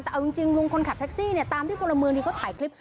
แต่เอาจริงลุงคนขับแท็กซี่เนี่ยตามที่พลเมืองดีเขาถ่ายคลิป